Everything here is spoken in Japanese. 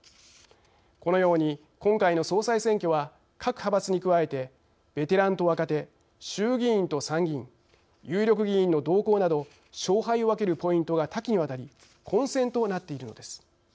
このように今回の総裁選挙は各派閥に加えてベテランと若手衆議院と参議院有力議員の動向など勝敗を分けるポイントが多岐にわたり混戦となっているのです。